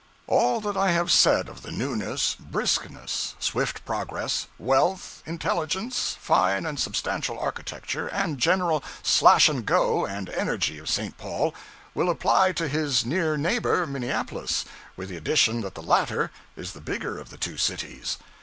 All that I have said of the newness, briskness, swift progress, wealth, intelligence, fine and substantial architecture, and general slash and go, and energy of St. Paul, will apply to his near neighbor, Minneapolis with the addition that the latter is the bigger of the two cities.